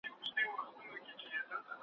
زموږ كوڅې ته به حتماً وي غله راغلي ,